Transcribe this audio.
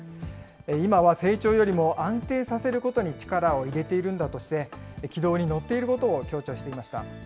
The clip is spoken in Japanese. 今は成長よりも安定させることに力を入れているんだとして、軌道に乗っていることを強調していました。